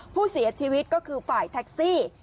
ผู้เสียชีวิตก็คือฝ่ายแท็กซี่